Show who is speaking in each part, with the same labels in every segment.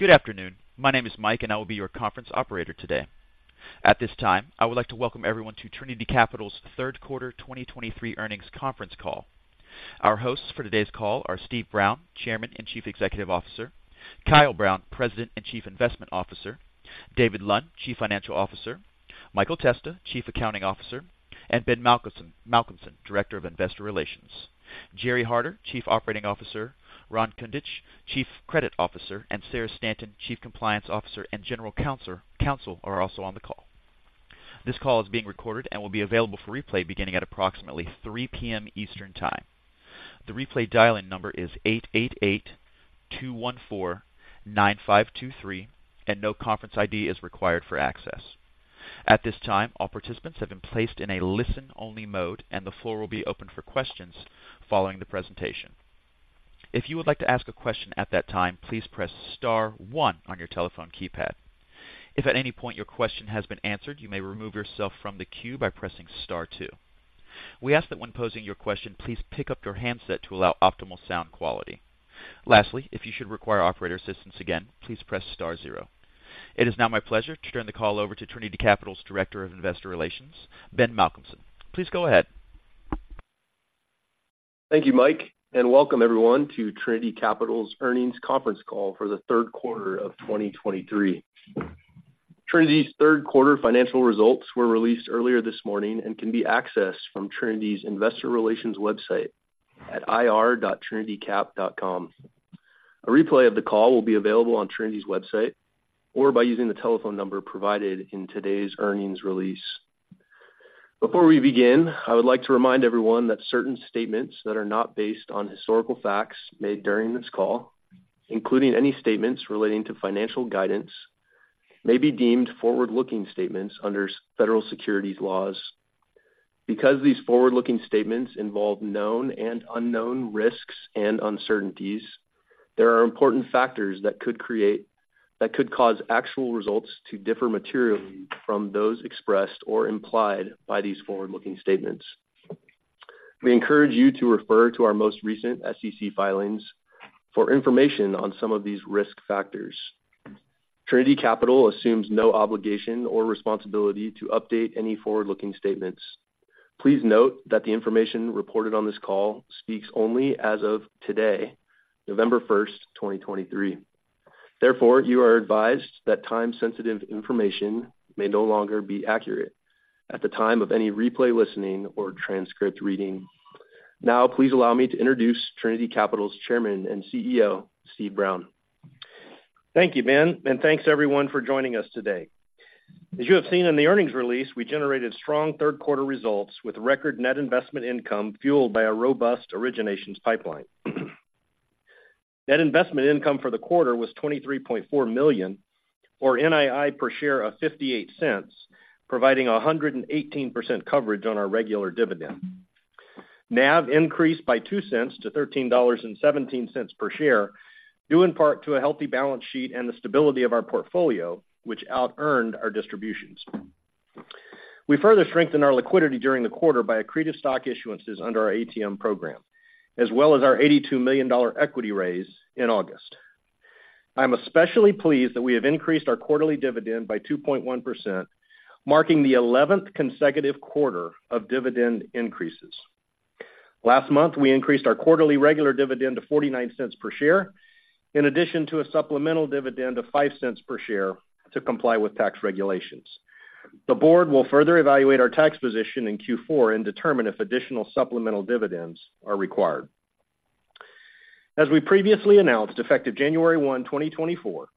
Speaker 1: Good afternoon. My name is Mike, and I will be your conference operator today. At this time, I would like to welcome everyone to Trinity Capital's Third Quarter 2023 Earnings Conference Call. Our hosts for today's call are Steve Brown, Chairman and Chief Executive Officer; Kyle Brown, President and Chief Investment Officer; David Lund, Chief Financial Officer; Michael Testa, Chief Accounting Officer; and Ben Malcolmson, Director of Investor Relations. Gerry Harder, Chief Operating Officer, Ron Kundich, Chief Credit Officer, and Sarah Stanton, Chief Compliance Officer and General Counsel, are also on the call. This call is being recorded and will be available for replay beginning at approximately 3 P.M. Eastern Time. The replay dial-in number is 888-214-9523, and no conference ID is required for access. At this time, all participants have been placed in a listen-only mode, and the floor will be open for questions following the presentation. If you would like to ask a question at that time, please press star one on your telephone keypad. If at any point your question has been answered, you may remove yourself from the queue by pressing star two. We ask that when posing your question, please pick up your handset to allow optimal sound quality. Lastly, if you should require operator assistance again, please press star zero. It is now my pleasure to turn the call over to Trinity Capital's Director of Investor Relations, Ben Malcolmson. Please go ahead.
Speaker 2: Thank you, Mike, and welcome everyone to Trinity Capital's Earnings Conference Call for the third quarter of 2023. Trinity's third quarter financial results were released earlier this morning and can be accessed from Trinity's investor relations website at ir.trinitycap.com. A replay of the call will be available on Trinity's website or by using the telephone number provided in today's earnings release. Before we begin, I would like to remind everyone that certain statements that are not based on historical facts made during this call, including any statements relating to financial guidance, may be deemed forward-looking statements under U.S. federal securities laws. Because these forward-looking statements involve known and unknown risks and uncertainties, there are important factors that could cause actual results to differ materially from those expressed or implied by these forward-looking statements. We encourage you to refer to our most recent SEC filings for information on some of these risk factors. Trinity Capital assumes no obligation or responsibility to update any forward-looking statements. Please note that the information reported on this call speaks only as of today, November 1st, 2023. Therefore, you are advised that time-sensitive information may no longer be accurate at the time of any replay listening or transcript reading. Now, please allow me to introduce Trinity Capital's chairman and CEO, Steve Brown.
Speaker 3: Thank you, Ben, and thanks, everyone, for joining us today. As you have seen in the earnings release, we generated strong third quarter results with record net investment income, fueled by a robust originations pipeline. Net investment income for the quarter was $23.4 million, or NII per share of $0.58, providing 118% coverage on our regular dividend. NAV increased by $0.02 to $13.17 per share, due in part to a healthy balance sheet and the stability of our portfolio, which out-earned our distributions. We further strengthened our liquidity during the quarter by accretive stock issuances under our ATM program, as well as our $82 million equity raise in August. I'm especially pleased that we have increased our quarterly dividend by 2.1%, marking the 11th consecutive quarter of dividend increases. Last month, we increased our quarterly regular dividend to $0.49 per share, in addition to a supplemental dividend of $0.05 per share to comply with tax regulations. The board will further evaluate our tax position in Q4 and determine if additional supplemental dividends are required. As we previously announced, effective January 1, 2024,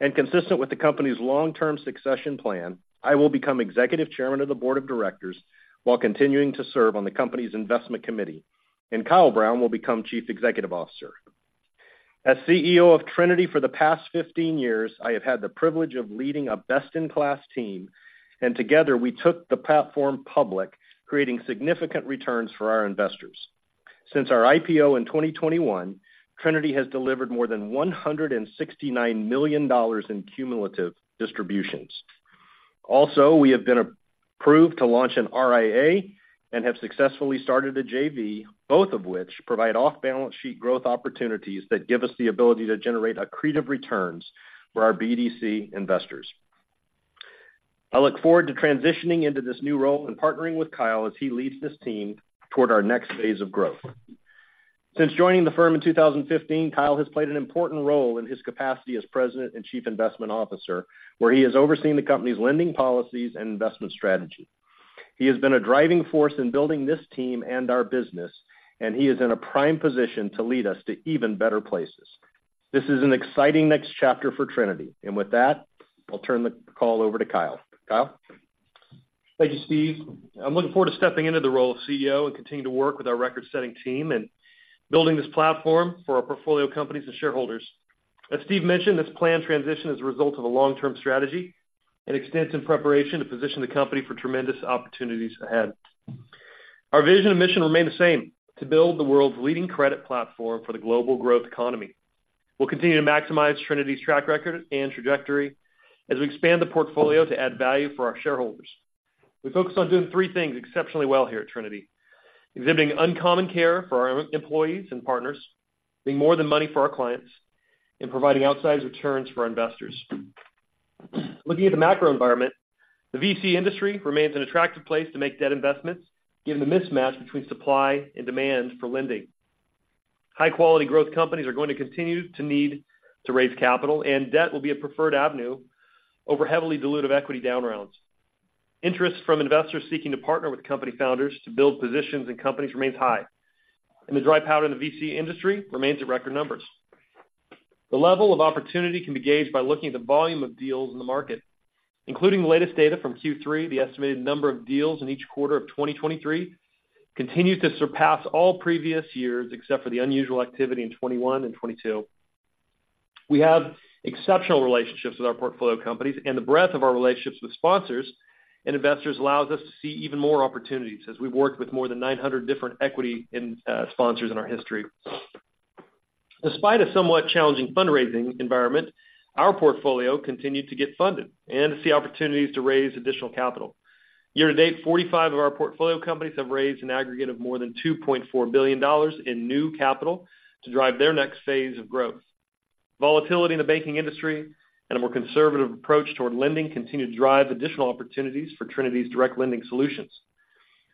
Speaker 3: and consistent with the company's long-term succession plan, I will become executive chairman of the board of directors while continuing to serve on the company's investment committee, and Kyle Brown will become Chief Executive Officer. As CEO of Trinity for the past 15 years, I have had the privilege of leading a best-in-class team, and together, we took the platform public, creating significant returns for our investors. Since our IPO in 2021, Trinity has delivered more than $169 million in cumulative distributions. Also, we have been approved to launch an RIA and have successfully started a JV, both of which provide off-balance sheet growth opportunities that give us the ability to generate accretive returns for our BDC investors. I look forward to transitioning into this new role and partnering with Kyle as he leads this team toward our next phase of growth. Since joining the firm in 2015, Kyle has played an important role in his capacity as president and chief investment officer, where he has overseen the company's lending policies and investment strategy. He has been a driving force in building this team and our business, and he is in a prime position to lead us to even better places. This is an exciting next chapter for Trinity, and with that, I'll turn the call over to Kyle. Kyle?
Speaker 4: Thank you, Steve. I'm looking forward to stepping into the role of CEO and continuing to work with our record-setting team in building this platform for our portfolio companies and shareholders. As Steve mentioned, this planned transition is a result of a long-term strategy and extensive preparation to position the company for tremendous opportunities ahead. Our vision and mission remain the same, to build the world's leading credit platform for the global growth economy. We'll continue to maximize Trinity's track record and trajectory as we expand the portfolio to add value for our shareholders. We focus on doing three things exceptionally well here at Trinity:... exhibiting uncommon care for our employees and partners, being more than money for our clients, and providing outsized returns for our investors. Looking at the macro environment, the VC industry remains an attractive place to make debt investments, given the mismatch between supply and demand for lending. High-quality growth companies are going to continue to need to raise capital, and debt will be a preferred avenue over heavily dilutive equity down rounds. Interest from investors seeking to partner with company founders to build positions in companies remains high, and the dry powder in the VC industry remains at record numbers. The level of opportunity can be gauged by looking at the volume of deals in the market, including the latest data from Q3. The estimated number of deals in each quarter of 2023 continued to surpass all previous years, except for the unusual activity in 2021 and 2022. We have exceptional relationships with our portfolio companies, and the breadth of our relationships with sponsors and investors allows us to see even more opportunities as we've worked with more than 900 different equity and sponsors in our history. Despite a somewhat challenging fundraising environment, our portfolio continued to get funded and to see opportunities to raise additional capital. Year-to-date, 45 of our portfolio companies have raised an aggregate of more than $2.4 billion in new capital to drive their next phase of growth. Volatility in the banking industry and a more conservative approach toward lending continue to drive additional opportunities for Trinity's direct lending solutions.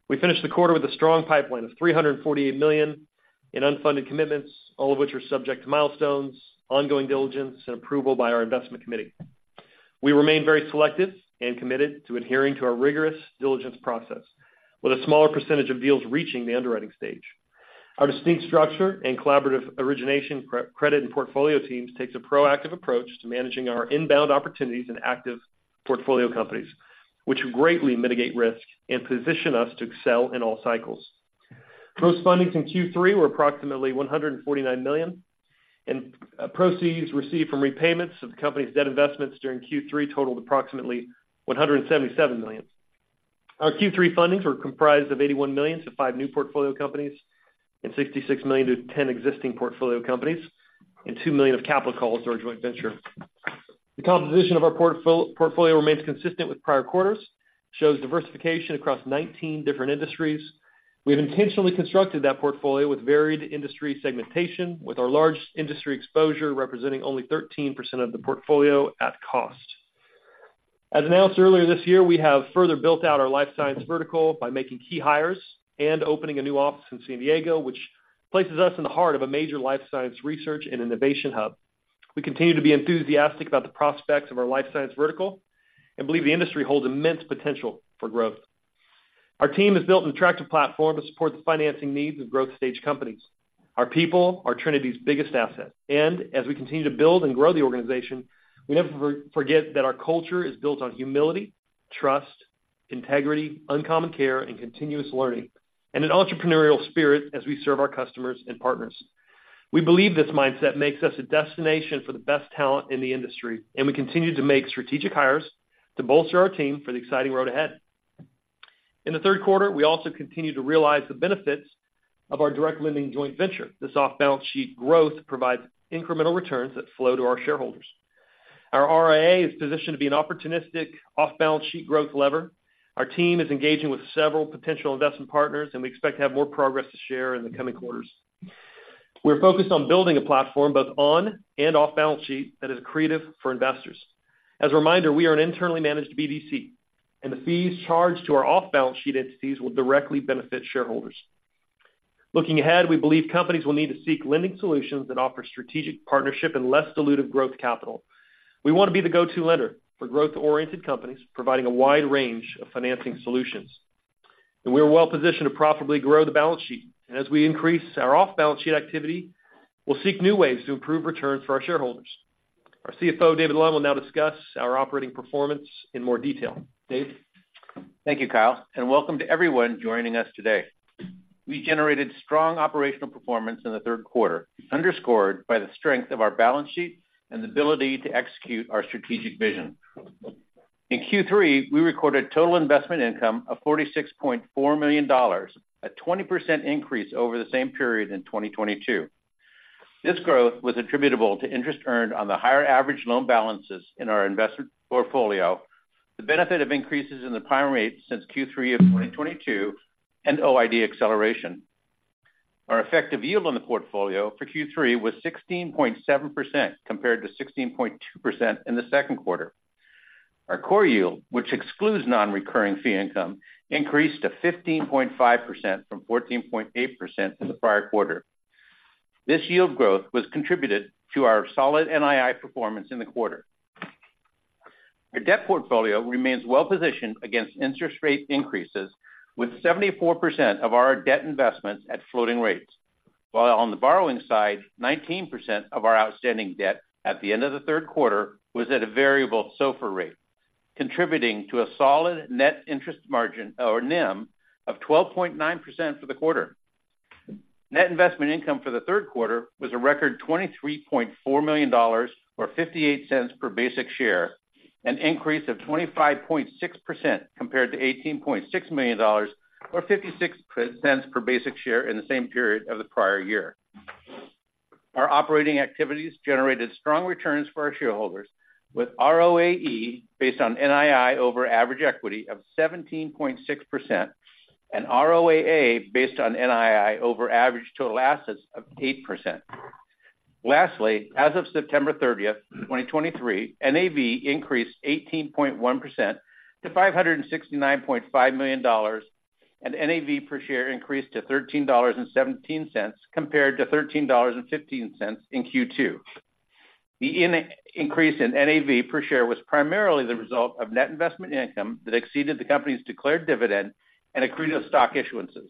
Speaker 4: We finished the quarter with a strong pipeline of $348 million in unfunded commitments, all of which are subject to milestones, ongoing diligence, and approval by our investment committee. We remain very selective and committed to adhering to our rigorous diligence process, with a smaller percentage of deals reaching the underwriting stage. Our distinct structure and collaborative origination credit and portfolio teams takes a proactive approach to managing our inbound opportunities and active portfolio companies, which greatly mitigate risk and position us to excel in all cycles. Gross fundings in Q3 were approximately $149 million, and proceeds received from repayments of the company's debt investments during Q3 totaled approximately $177 million. Our Q3 fundings were comprised of $81 million to 5 new portfolio companies and $66 million to 10 existing portfolio companies, and $2 million of capital calls to our joint venture. The composition of our portfolio remains consistent with prior quarters, shows diversification across 19 different industries. We have intentionally constructed that portfolio with varied industry segmentation, with our largest industry exposure representing only 13% of the portfolio at cost. As announced earlier this year, we have further built out our Life Science Vertical by making key hires and opening a new office in San Diego, which places us in the heart of a major life science research and innovation hub. We continue to be enthusiastic about the prospects of our Life Science Vertical and believe the industry holds immense potential for growth. Our team has built an attractive platform to support the financing needs of growth stage companies. Our people are Trinity's biggest asset, and as we continue to build and grow the organization, we never forget that our culture is built on humility, trust, integrity, uncommon care, and continuous learning, and an entrepreneurial spirit as we serve our customers and partners. We believe this mindset makes us a destination for the best talent in the industry, and we continue to make strategic hires to bolster our team for the exciting road ahead. In the third quarter, we also continued to realize the benefits of our direct lending joint venture. This off-balance sheet growth provides incremental returns that flow to our shareholders. Our RIA is positioned to be an opportunistic off-balance sheet growth lever. Our team is engaging with several potential investment partners, and we expect to have more progress to share in the coming quarters. We're focused on building a platform, both on and off balance sheet, that is accretive for investors. As a reminder, we are an internally managed BDC, and the fees charged to our off-balance sheet entities will directly benefit shareholders. Looking ahead, we believe companies will need to seek lending solutions that offer strategic partnership and less dilutive growth capital. We want to be the go-to lender for growth-oriented companies, providing a wide range of financing solutions. We are well positioned to profitably grow the balance sheet. As we increase our off-balance sheet activity, we'll seek new ways to improve returns for our shareholders. Our CFO, David Lund, will now discuss our operating performance in more detail. Dave?
Speaker 5: Thank you, Kyle, and welcome to everyone joining us today. We generated strong operational performance in the third quarter, underscored by the strength of our balance sheet and the ability to execute our strategic vision. In Q3, we recorded total investment income of $46.4 million, a 20% increase over the same period in 2022. This growth was attributable to interest earned on the higher average loan balances in our investment portfolio, the benefit of increases in the prime rate since Q3 of 2022, and OID acceleration. Our effective yield on the portfolio for Q3 was 16.7%, compared to 16.2% in the second quarter. Our core yield, which excludes non-recurring fee income, increased to 15.5% from 14.8% in the prior quarter. This yield growth was contributed to our solid NII performance in the quarter. Our debt portfolio remains well positioned against interest rate increases, with 74% of our debt investments at floating rates, while on the borrowing side, 19% of our outstanding debt at the end of the third quarter was at a variable SOFR rate, contributing to a solid net interest margin, or NIM, of 12.9% for the quarter. Net investment income for the third quarter was a record $23.4 million, or $0.58 per basic share, an increase of 25.6% compared to $18.6 million or 56 cents per basic share in the same period of the prior year.... Our operating activities generated strong returns for our shareholders, with ROAE based on NII over average equity of 17.6% and ROAA based on NII over average total assets of 8%. Lastly, as of September 30, 2023, NAV increased 18.1% to $569.5 million, and NAV per share increased to $13.17 compared to $13.15 in Q2. The increase in NAV per share was primarily the result of net investment income that exceeded the company's declared dividend and accretive stock issuances.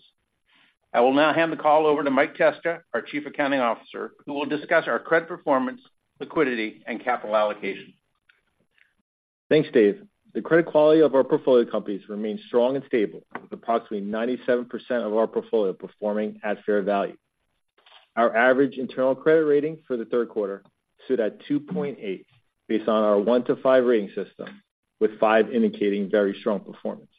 Speaker 5: I will now hand the call over to Mike Testa, our Chief Accounting Officer, who will discuss our credit performance, liquidity, and capital allocation.
Speaker 6: Thanks, Dave. The credit quality of our portfolio companies remains strong and stable, with approximately 97% of our portfolio performing at fair value. Our average internal credit rating for the third quarter stood at 2.8 based on our 1-5 rating system, with 5 indicating very strong performance.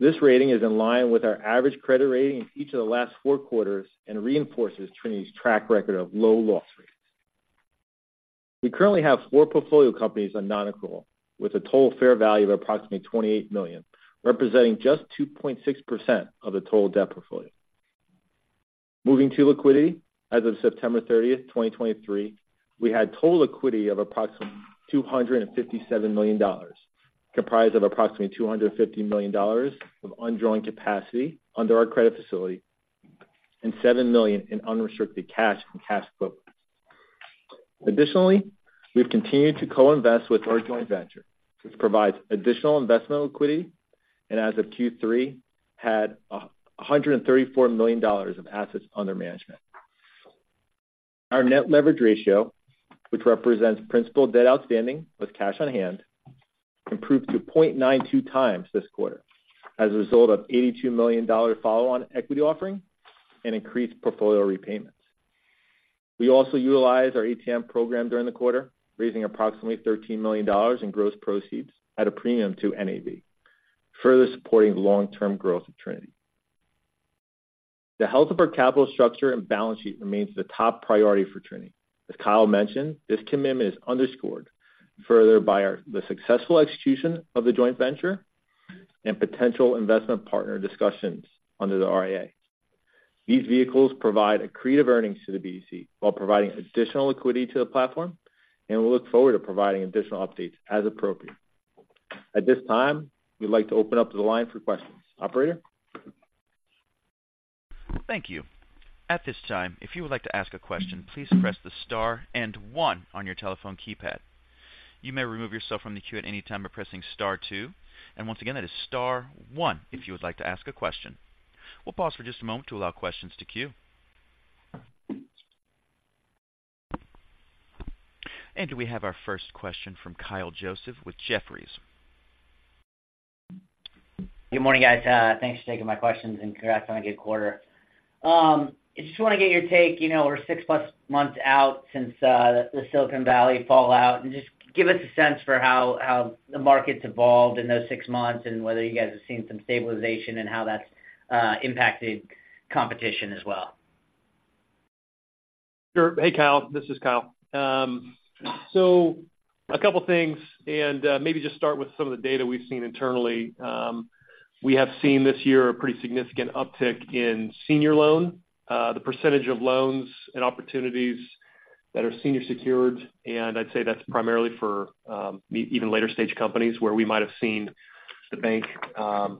Speaker 6: This rating is in line with our average credit rating in each of the last four quarters and reinforces Trinity's track record of low loss rates. We currently have four portfolio companies on nonaccrual, with a total fair value of approximately $28 million, representing just 2.6% of the total debt portfolio. Moving to liquidity, as of September 30, 2023, we had total liquidity of approximately $257 million, comprised of approximately $250 million of undrawn capacity under our credit facility and $7 million in unrestricted cash and cash equivalents. Additionally, we've continued to co-invest with our joint venture, which provides additional investment liquidity, and as of Q3, had $134 million of assets under management. Our net leverage ratio, which represents principal debt outstanding with cash on hand, improved to 0.92x this quarter as a result of $82 million follow-on equity offering and increased portfolio repayments. We also utilized our ATM program during the quarter, raising approximately $13 million in gross proceeds at a premium to NAV, further supporting the long-term growth of Trinity. The health of our capital structure and balance sheet remains the top priority for Trinity. As Kyle mentioned, this commitment is underscored further by the successful execution of the joint venture and potential investment partner discussions under the RIA. These vehicles provide accretive earnings to the BDC while providing additional liquidity to the platform, and we look forward to providing additional updates as appropriate. At this time, we'd like to open up to the line for questions. Operator?
Speaker 1: Thank you. At this time, if you would like to ask a question, please press the star and one on your telephone keypad. You may remove yourself from the queue at any time by pressing star two. And once again, that is star one if you would like to ask a question. We'll pause for just a moment to allow questions to queue. We have our first question from Kyle Joseph with Jefferies.
Speaker 7: Good morning, guys. Thanks for taking my questions, and congrats on a good quarter. I just want to get your take, you know, we're six plus months out since the Silicon Valley fallout, and just give us a sense for how the market's evolved in those six months and whether you guys have seen some stabilization and how that's impacted competition as well.
Speaker 4: Sure. Hey, Kyle, this is Kyle. So a couple of things, and maybe just start with some of the data we've seen internally. We have seen this year a pretty significant uptick in senior loan, the percentage of loans and opportunities that are senior secured, and I'd say that's primarily for even later stage companies, where we might have seen the bank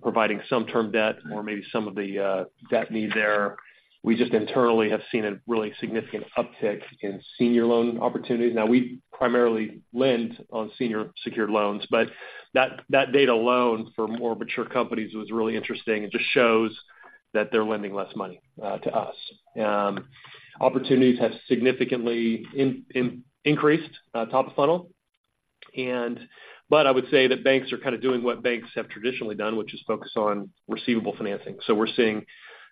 Speaker 4: providing some term debt or maybe some of the debt need there. We just internally have seen a really significant uptick in senior loan opportunities. Now, we primarily lend on senior secured loans, but that data point for more mature companies was really interesting. It just shows that they're lending less money to us. Opportunities have significantly increased, top of funnel, but I would say that banks are kind of doing what banks have traditionally done, which is focus on receivable financing. So we're seeing,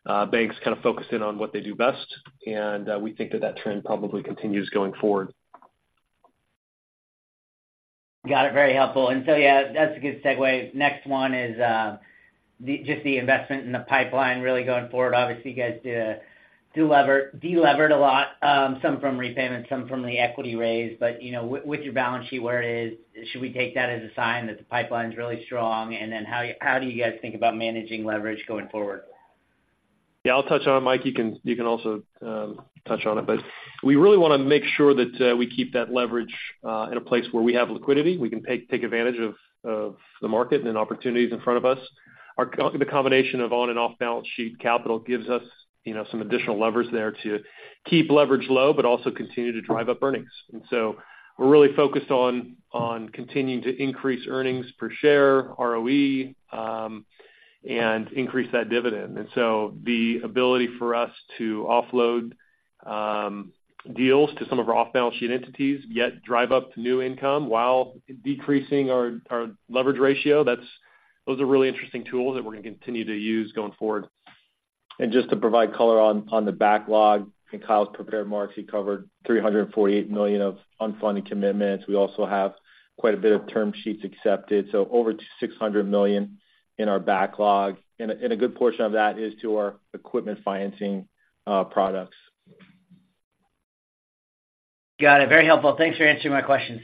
Speaker 4: banks kind of focus in on what they do best, and, we think that that trend probably continues going forward.
Speaker 7: Got it. Very helpful. And so, yeah, that's a good segue. Next one is just the investment in the pipeline really going forward. Obviously, you guys delevered a lot, some from repayments, some from the equity raise. But, you know, with your balance sheet where it is, should we take that as a sign that the pipeline's really strong? And then how do you guys think about managing leverage going forward?
Speaker 4: Yeah, I'll touch on it. Mike, you can, you can also touch on it. But we really want to make sure that we keep that leverage in a place where we have liquidity. We can take advantage of the market and opportunities in front of us. The combination of on and off balance sheet capital gives us, you know, some additional levers there to keep leverage low, but also continue to drive up earnings. And so we're really focused on continuing to increase earnings per share, ROE, and increase that dividend. And so the ability for us to offload deals to some of our off-balance sheet entities, yet drive up new income while decreasing our leverage ratio, that's, those are really interesting tools that we're going to continue to use going forward.
Speaker 6: Just to provide color on the backlog, in Kyle's prepared remarks, he covered $348 million of unfunded commitments. We also have quite a bit of term sheets accepted, so over $600 million in our backlog, and a good portion of that is to our equipment financing products....
Speaker 7: Got it. Very helpful. Thanks for answering my questions.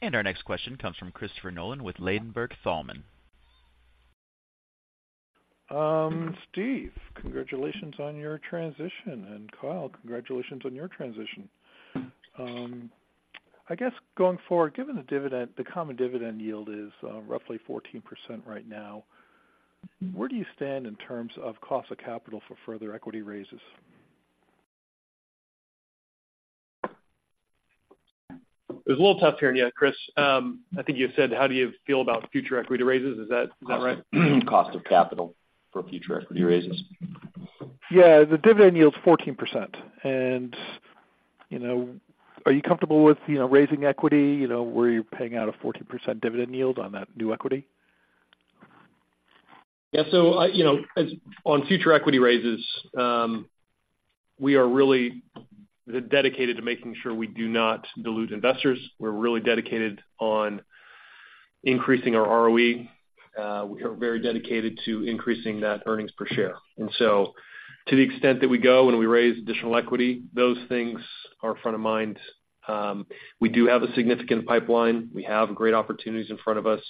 Speaker 1: Our next question comes from Christopher Nolan with Ladenburg Thalmann.
Speaker 8: Steve, congratulations on your transition, and Kyle, congratulations on your transition. I guess going forward, given the dividend, the common dividend yield is roughly 14% right now. Where do you stand in terms of cost of capital for further equity raises?
Speaker 4: It's a little tough hearing you, Chris. I think you said, how do you feel about future equity raises? Is that, is that right?
Speaker 6: Cost of capital for future equity raises.
Speaker 8: Yeah, the dividend yield is 14%, and, you know, are you comfortable with, you know, raising equity, you know, where you're paying out a 14% dividend yield on that new equity?
Speaker 4: Yeah, so I, you know, on future equity raises, we are really dedicated to making sure we do not dilute investors. We're really dedicated on increasing our ROE. We are very dedicated to increasing that earnings per share. And so to the extent that we go and we raise additional equity, those things are front of mind. We do have a significant pipeline. We have great opportunities in front of us,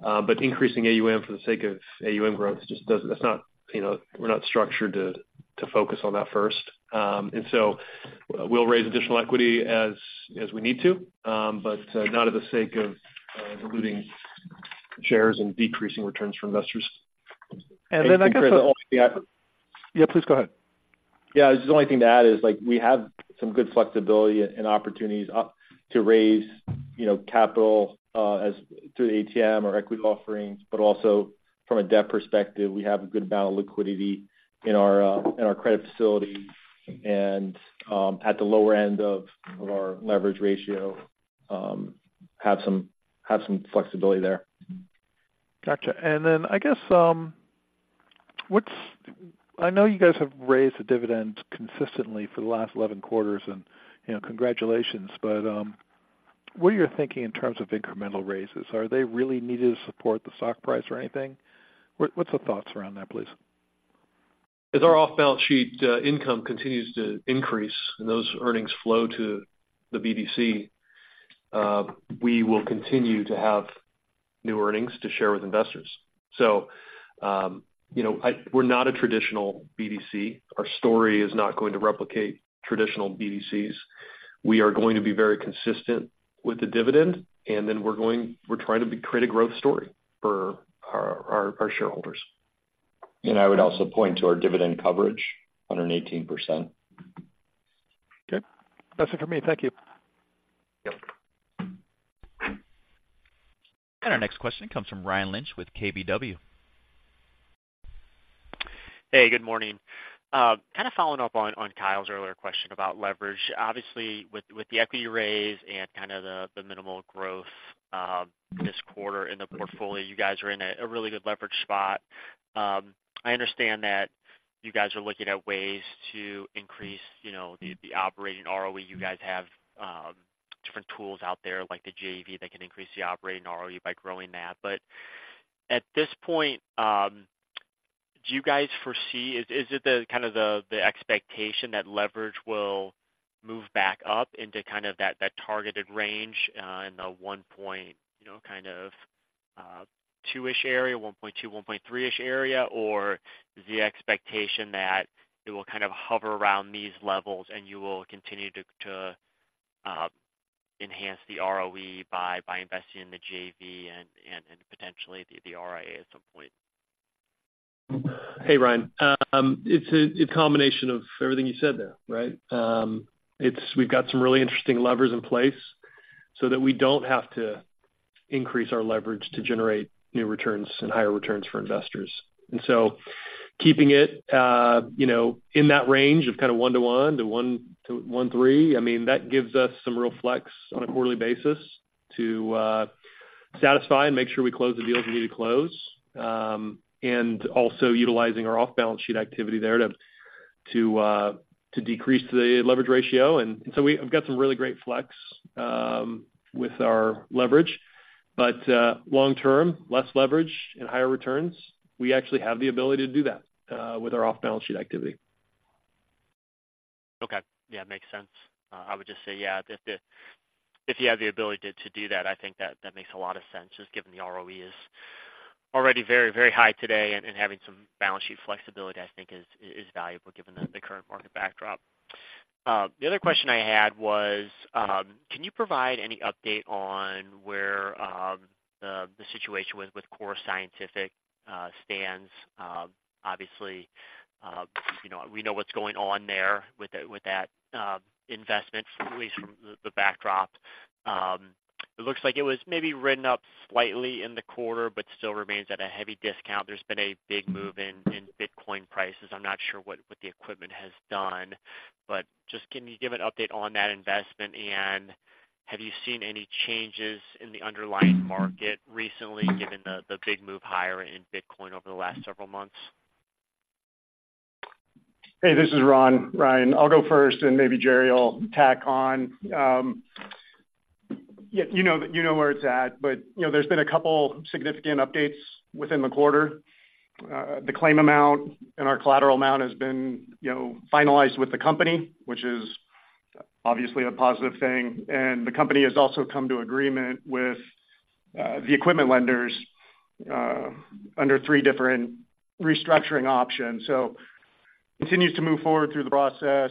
Speaker 4: but increasing AUM for the sake of AUM growth just doesn't. That's not, you know, we're not structured to focus on that first. And so we'll raise additional equity as we need to, but not at the sake of diluting shares and decreasing returns for investors.
Speaker 8: Then I guess, yeah, please go ahead.
Speaker 6: Yeah, the only thing to add is, like, we have some good flexibility and opportunities to raise, you know, capital as through the ATM or equity offerings, but also from a debt perspective, we have a good amount of liquidity in our credit facility and, at the lower end of our leverage ratio, have some flexibility there.
Speaker 8: Gotcha. And then I guess, what's—I know you guys have raised the dividend consistently for the last 11 quarters, and, you know, congratulations. But, what are you thinking in terms of incremental raises? Are they really needed to support the stock price or anything? What's the thoughts around that, please?
Speaker 4: As our off-balance sheet income continues to increase and those earnings flow to the BDC, we will continue to have new earnings to share with investors. So, you know, we're not a traditional BDC. Our story is not going to replicate traditional BDCs. We are going to be very consistent with the dividend, and then we're going-- we're trying to be, create a growth story for our, our, our shareholders.
Speaker 6: I would also point to our dividend coverage, 118%.
Speaker 8: Okay. That's it for me. Thank you.
Speaker 6: Yep.
Speaker 1: Our next question comes from Ryan Lynch with KBW.
Speaker 9: Hey, good morning. Kind of following up on Kyle's earlier question about leverage. Obviously, with the equity raise and kind of the minimal growth this quarter in the portfolio, you guys are in a really good leverage spot. I understand that you guys are looking at ways to increase, you know, the operating ROE. You guys have different tools out there, like the JV, that can increase the operating ROE by growing that. But at this point, do you guys foresee... Is it kind of the expectation that leverage will move back up into kind of that targeted range in the 1.2-ish area, 1.2-1.3-ish area? Or is the expectation that it will kind of hover around these levels and you will continue to enhance the ROE by investing in the JV and potentially the RIA at some point?
Speaker 4: Hey, Ryan. It's a combination of everything you said there, right? We've got some really interesting levers in place so that we don't have to increase our leverage to generate new returns and higher returns for investors. So keeping it, you know, in that range of kind of 1.0-1.3, I mean, that gives us some real flex on a quarterly basis to satisfy and make sure we close the deals we need to close. And also utilizing our off-balance sheet activity there to decrease the leverage ratio. So I've got some really great flex with our leverage, but long term, less leverage and higher returns, we actually have the ability to do that with our off-balance sheet activity.
Speaker 9: Okay. Yeah, makes sense. I would just say, yeah, if the, if you have the ability to, to do that, I think that, that makes a lot of sense, just given the ROE is already very, very high today, and, and having some balance sheet flexibility, I think is, is valuable given the, the current market backdrop. The other question I had was, can you provide any update on where, the, the situation with, with Core Scientific, stands? Obviously, you know, we know what's going on there with the, with that, investment, at least from the, the backdrop. It looks like it was maybe written up slightly in the quarter, but still remains at a heavy discount. There's been a big move in, in Bitcoin prices. I'm not sure what the equipment has done, but just can you give an update on that investment? And have you seen any changes in the underlying market recently, given the big move higher in Bitcoin over the last several months?
Speaker 10: Hey, this is Ron. Ryan, I'll go first, and maybe Gerry will tack on. Yeah, you know that, you know where it's at, but, you know, there's been a couple significant updates within the quarter. The claim amount and our collateral amount has been, you know, finalized with the company, which is obviously a positive thing. And the company has also come to agreement with the equipment lenders under three different restructuring options. So continues to move forward through the process.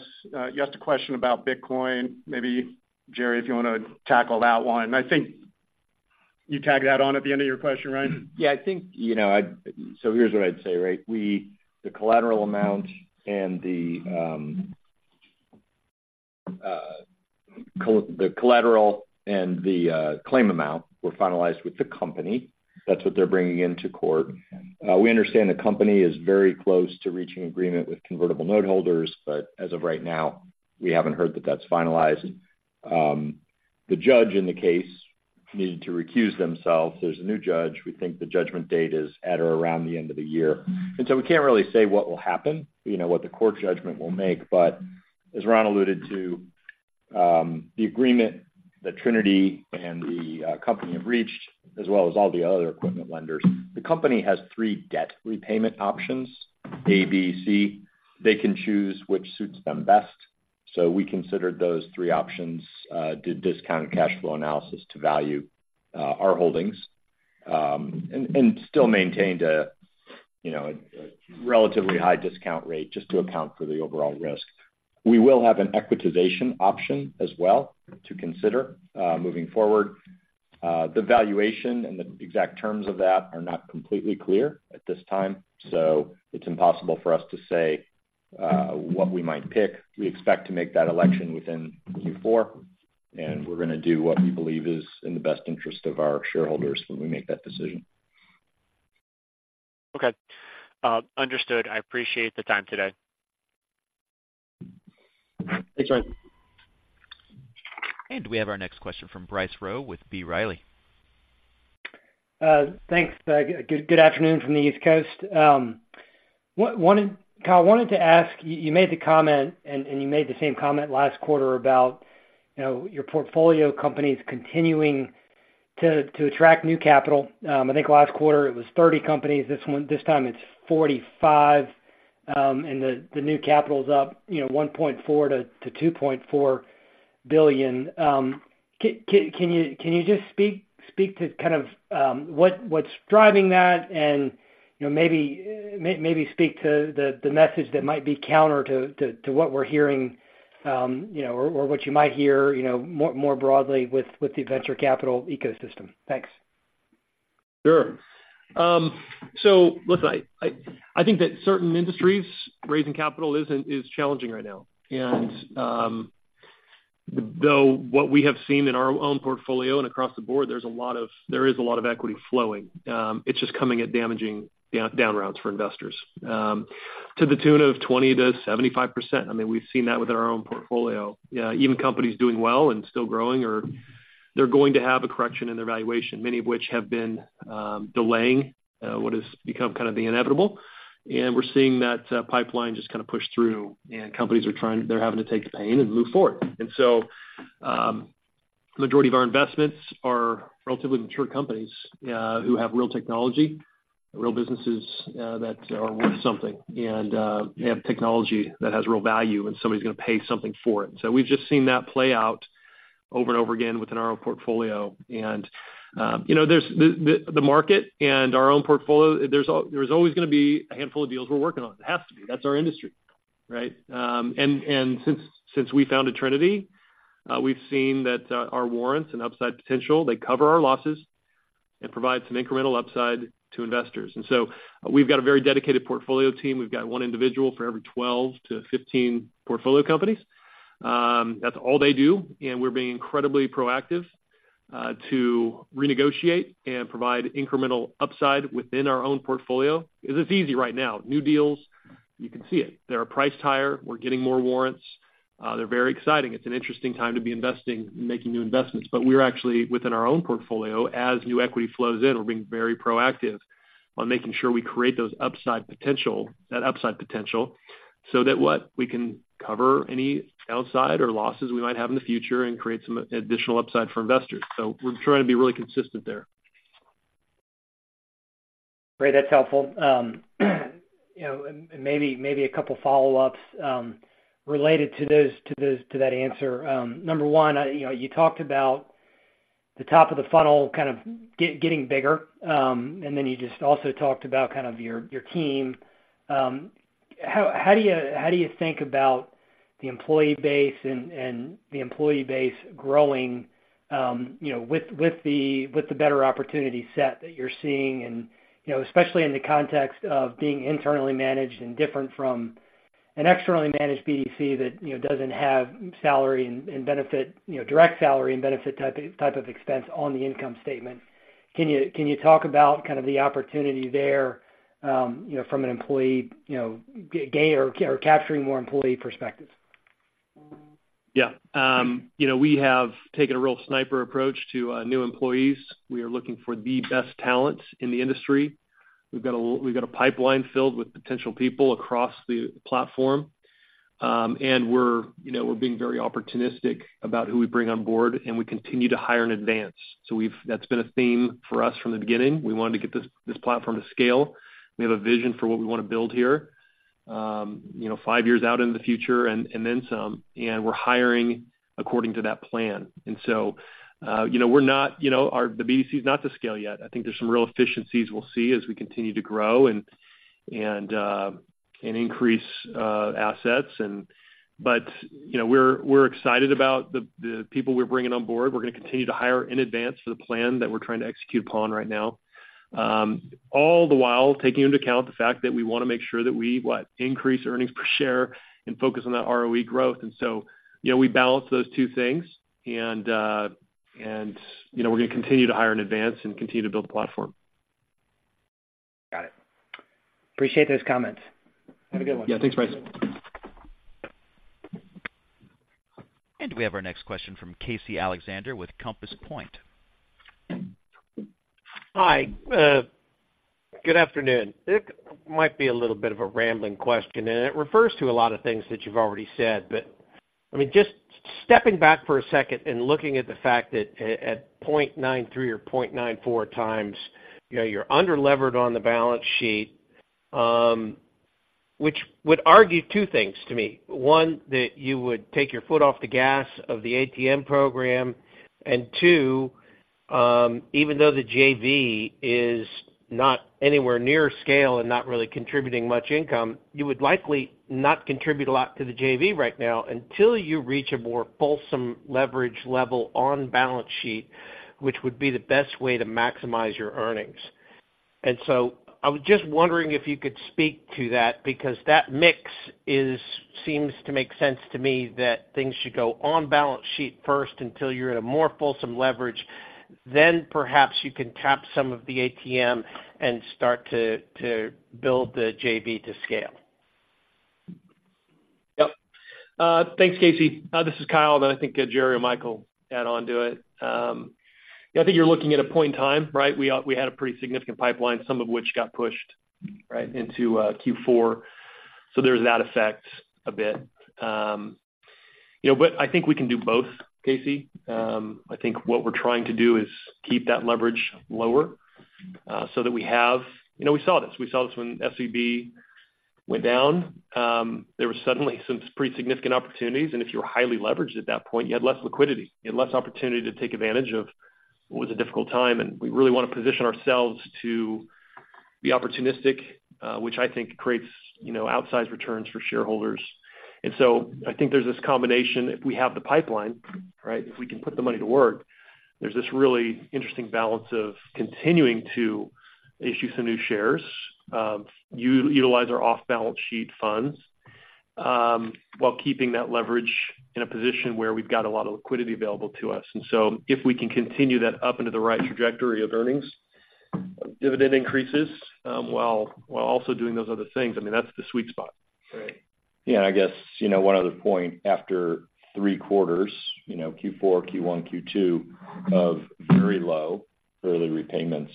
Speaker 10: You asked a question about Bitcoin. Maybe, Gerry, if you wanna tackle that one. I think you tagged that on at the end of your question, right?
Speaker 11: Yeah, I think, you know, so here's what I'd say, right? We, the collateral amount and the collateral and the claim amount were finalized with the company. That's what they're bringing into court. We understand the company is very close to reaching agreement with convertible noteholders, but as of right now, we haven't heard that that's finalized. The judge in the case needed to recuse themselves. There's a new judge. We think the judgment date is at or around the end of the year. And so we can't really say what will happen, you know, what the court judgment will make. But as Ron alluded to, the agreement that Trinity and the company have reached, as well as all the other equipment lenders, the company has three debt repayment options, A, B, C. They can choose which suits them best. So we considered those three options, did discounted cash flow analysis to value our holdings, and still maintained a, you know, relatively high discount rate just to account for the overall risk. We will have an equitization option as well to consider moving forward. The valuation and the exact terms of that are not completely clear at this time, so it's impossible for us to say what we might pick. We expect to make that election within Q4, and we're gonna do what we believe is in the best interest of our shareholders when we make that decision.
Speaker 9: Okay. Understood. I appreciate the time today.
Speaker 4: Thanks, Ryan.
Speaker 1: We have our next question from Bryce Rowe with B. Riley.
Speaker 12: Thanks, good afternoon from the East Coast. Kyle, I wanted to ask, you made the comment, and you made the same comment last quarter about, you know, your portfolio companies continuing to attract new capital. I think last quarter it was 30 companies. This time it's 45, and the new capital is up, you know, $1.4-$2.4 billion. Can you just speak to kind of what what's driving that? And, you know, maybe speak to the message that might be counter to what we're hearing, you know, or what you might hear, you know, more broadly with the venture capital ecosystem. Thanks.
Speaker 4: Sure. So listen, I think that certain industries raising capital isn't is challenging right now. Though what we have seen in our own portfolio and across the board, there's a lot of equity flowing. It's just coming at damaging down rounds for investors to the tune of 20%-75%. I mean, we've seen that with our own portfolio. Even companies doing well and still growing are... They're going to have a correction in their valuation, many of which have been delaying what has become kind of the inevitable. And we're seeing that pipeline just kind of push through, and companies are trying, they're having to take the pain and move forward. So, majority of our investments are relatively mature companies, who have real technology, real businesses, that are worth something and, they have technology that has real value, and somebody's gonna pay something for it. We've just seen that play out over and over again within our own portfolio. You know, there's the market and our own portfolio, there's always gonna be a handful of deals we're working on. It has to be. That's our industry, right? And since we founded Trinity, we've seen that, our warrants and upside potential, they cover our losses and provide some incremental upside to investors. So we've got a very dedicated portfolio team. We've got one individual for every 12-15 portfolio companies. That's all they do, and we're being incredibly proactive to renegotiate and provide incremental upside within our own portfolio. It's easy right now. New deals, you can see it. They are priced higher. We're getting more warrants. They're very exciting. It's an interesting time to be investing and making new investments. But we're actually, within our own portfolio, as new equity flows in, we're being very proactive on making sure we create those upside potential, that upside potential, so that what? We can cover any downside or losses we might have in the future and create some additional upside for investors. So we're trying to be really consistent there.
Speaker 12: Great, that's helpful. You know, and maybe a couple follow-ups related to that answer. Number one, you know, you talked about the top of the funnel kind of getting bigger, and then you just also talked about kind of your team. How do you think about the employee base and the employee base growing, you know, with the better opportunity set that you're seeing? And, you know, especially in the context of being internally managed and different from an externally managed BDC that, you know, doesn't have salary and benefit, you know, direct salary and benefit type of expense on the income statement. Can you, can you talk about kind of the opportunity there, you know, from an employee, you know, gain or capturing more employee perspectives?
Speaker 4: Yeah. You know, we have taken a real sniper approach to new employees. We are looking for the best talent in the industry. We've got a pipeline filled with potential people across the platform. And we're, you know, we're being very opportunistic about who we bring on board, and we continue to hire in advance. So we've, that's been a theme for us from the beginning. We wanted to get this platform to scale. We have a vision for what we wanna build here, you know, five years out in the future and then some. And we're hiring according to that plan. And so, you know, we're not, you know, our, the BDC's not to scale yet. I think there's some real efficiencies we'll see as we continue to grow and increase assets and... But, you know, we're excited about the people we're bringing on board. We're gonna continue to hire in advance for the plan that we're trying to execute upon right now. All the while, taking into account the fact that we wanna make sure that we increase earnings per share and focus on that ROE growth. And so, you know, we balance those two things and, you know, we're gonna continue to hire in advance and continue to build the platform.
Speaker 12: Got it. Appreciate those comments. Have a good one.
Speaker 4: Yeah. Thanks, Bryce.
Speaker 1: We have our next question from Casey Alexander with Compass Point.
Speaker 13: Hi, good afternoon. It might be a little bit of a rambling question, and it refers to a lot of things that you've already said. I mean, just stepping back for a second and looking at the fact that at 0.93 or 0.94 times, you know, you're under-levered on the balance sheet, which would argue two things to me. One, that you would take your foot off the gas of the ATM program, and two, even though the JV is not anywhere near scale and not really contributing much income, you would likely not contribute a lot to the JV right now until you reach a more fulsome leverage level on balance sheet, which would be the best way to maximize your earnings. So I was just wondering if you could speak to that, because that mix is, seems to make sense to me that things should go on balance sheet first until you're at a more fulsome leverage. Then perhaps you can tap some of the ATM and start to, to build the JV to scale.
Speaker 4: Yep. Thanks, Casey. This is Kyle, then I think Gerry or Michael add on to it. Yeah, I think you're looking at a point in time, right? We, we had a pretty significant pipeline, some of which got pushed, right, into Q4. So there's that effect a bit. You know, but I think we can do both, Casey. I think what we're trying to do is keep that leverage lower, so that we have... You know, we saw this, we saw this when SVB went down. There was suddenly some pretty significant opportunities, and if you were highly leveraged at that point, you had less liquidity. You had less opportunity to take advantage of what was a difficult time, and we really wanna position ourselves to be opportunistic, which I think creates, you know, outsized returns for shareholders. And so I think there's this combination. If we have the pipeline, right, if we can put the money to work, there's this really interesting balance of continuing to issue some new shares, utilize our off-balance sheet funds, while keeping that leverage in a position where we've got a lot of liquidity available to us. And so if we can continue that up into the right trajectory of earnings, dividend increases, while also doing those other things, I mean, that's the sweet spot.
Speaker 13: Great.
Speaker 11: Yeah, and I guess, you know, one other point, after three quarters, you know, Q4, Q1, Q2, of very low early repayments,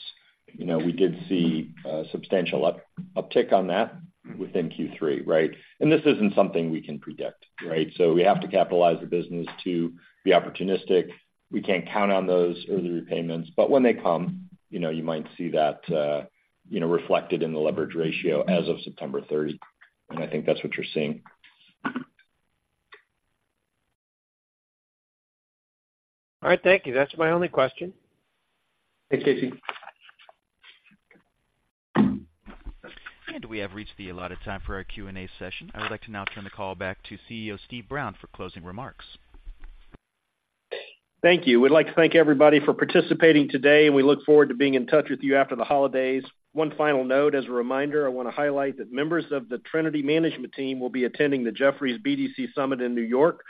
Speaker 11: you know, we did see a substantial uptick on that within Q3, right? And this isn't something we can predict, right? So we have to capitalize the business to be opportunistic. We can't count on those early repayments, but when they come, you know, you might see that, you know, reflected in the leverage ratio as of September thirtieth. And I think that's what you're seeing.
Speaker 13: All right. Thank you. That's my only question.
Speaker 4: Thanks, Casey.
Speaker 1: We have reached the allotted time for our Q&A session. I would like to now turn the call back to CEO Steve Brown for closing remarks.
Speaker 3: Thank you. We'd like to thank everybody for participating today, and we look forward to being in touch with you after the holidays. One final note, as a reminder, I wanna highlight that members of the Trinity management team will be attending the Jefferies BDC Summit in New York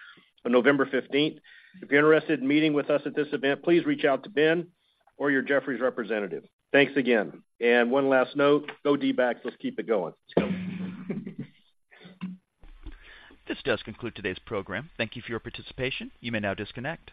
Speaker 3: on November 15th. If you're interested in meeting with us at this event, please reach out to Ben or your Jefferies representative. Thanks again. One last note, go D-backs. Let's keep it going.
Speaker 1: This does conclude today's program. Thank you for your participation. You may now disconnect.